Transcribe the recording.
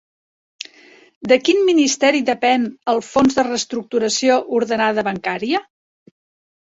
De quin ministeri depèn el Fons de Reestructuració Ordenada Bancària?